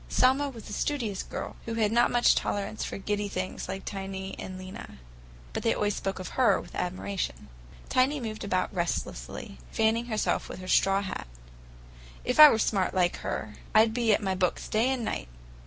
Selma was a studious girl, who had not much tolerance for giddy things like Tiny and Lena; but they always spoke of her with admiration. Tiny moved about restlessly, fanning herself with her straw hat. "If I was smart like her, I'd be at my books day and night.